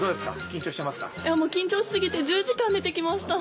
緊張し過ぎて１０時間寝て来ました。